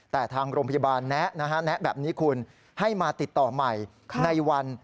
แต่ทางโรงพยาบาลแนะแบบนี้คุณให้มาติดต่อใหม่ในวัน